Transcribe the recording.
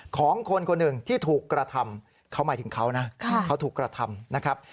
ของคนคนหนึ่งที่ถูกกระทำเขาหมายถึงเขานะเขาถูกกระทำนะครับ